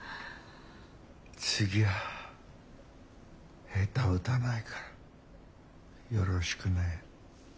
次はヘタ打たないからよろしくね。